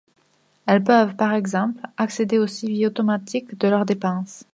Elles peuvent, par exemple, accéder au suivi automatique de leurs dépenses.